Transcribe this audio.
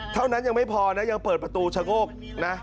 เท่านั้นยังไม่พอนะยังเปิดประตูชะโงกนะ